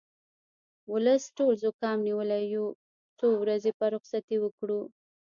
ولس ټول زوکام نیولی یو څو ورځې به رخصتي وکړو